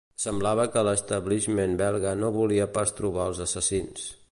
Semblava que l'establishment belga no volia pas trobar als assassins.